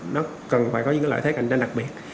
nó cần phải có những lợi thế cạnh tranh đặc biệt